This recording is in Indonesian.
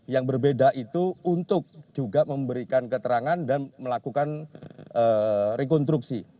yang berbeda itu untuk juga memberikan keterangan dan melakukan rekonstruksi